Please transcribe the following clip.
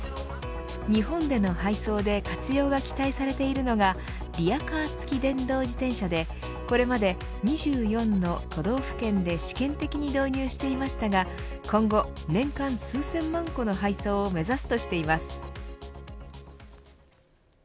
日本での配送で活用が期待されているのがリヤカー付き電動自転車でこれまでに２４の都道府県で試験的に導入していましたが今後、年間数千万個の配送を目指すとしています。